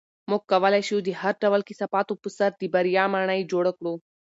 موږ کولی شو د هر ډول کثافاتو په سر د بریا ماڼۍ جوړه کړو.